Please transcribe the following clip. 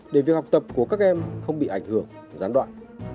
để việc học tập của các em không bị ảnh hưởng gián đoạn